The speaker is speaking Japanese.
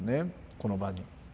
この場に。